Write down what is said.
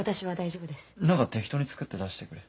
なんか適当に作って出してくれ。